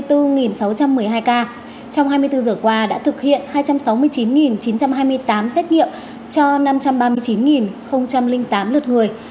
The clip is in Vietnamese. trong hai mươi bốn giờ qua đã thực hiện hai trăm sáu mươi chín chín trăm hai mươi tám xét nghiệm cho năm trăm ba mươi chín tám lượt người